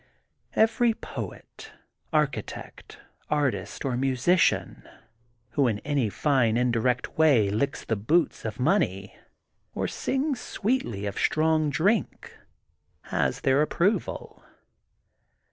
Every poet, architect, artist, or musician who in any fine indirect way licks the boots of money, or sings sweetly of strong drink, has their ap proval.